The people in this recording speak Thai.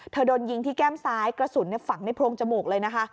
โดนยิงที่แก้มซ้ายกระสุนฝังในโพรงจมูกเลยนะคะ